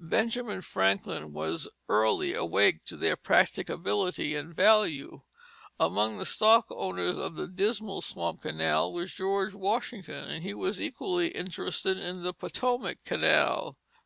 Benjamin Franklin was early awake to their practicability and value. Among the stock owners of the Dismal Swamp Canal was George Washington, and he was equally interested in the Potomac Canal.